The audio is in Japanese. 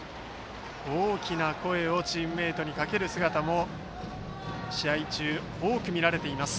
大きな声をチームメートにかける姿も試合中、多く見られています。